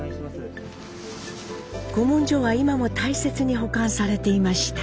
古文書は今も大切に保管されていました。